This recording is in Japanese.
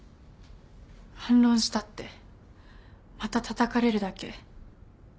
反論したってまたたたかれるだけ。